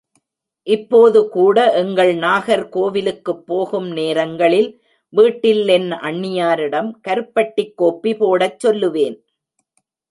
இப்போதுகூட எங்கள் நாகர்கோவிலுக்குப் போகும் நேரங்களில் வீட்டில் என் அண்ணியாரிடம் கருப்பட்டிக் கோபி போடச் சொல்லுவேன்.